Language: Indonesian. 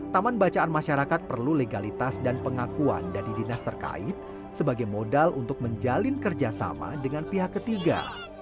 taman bacaan masyarakat perlu legalitas dan pengakuan dari dinas terkait sebagai modal untuk menjalin kerjasama dengan pihak ketiga